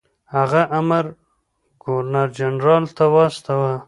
هغه امر ګورنر جنرال ته واستاوه.